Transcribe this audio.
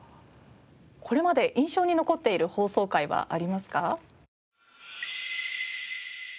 これまで印象に残っている放送回はありますか？